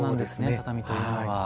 畳というものは。